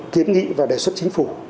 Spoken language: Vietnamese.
kiến nghị và đề xuất chính phủ